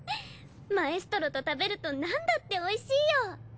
マエストロと食べるとなんだっておいしいよ！